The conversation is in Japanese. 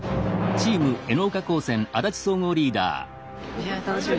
いや楽しみ。